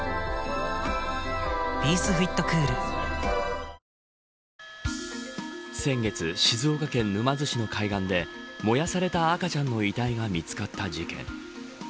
昼以降は雨がやんでくるんですが先月、静岡県沼津市の海岸で燃やされた赤ちゃんの遺体が見つかった事件。